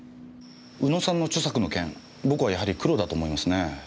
宇野さんの著作の件僕はやはりクロだと思いますね。